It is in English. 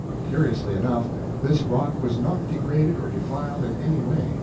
Curiously enough, this rock was not degraded or defiled in any way.